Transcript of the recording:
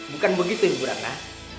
bukan begitu ibu rana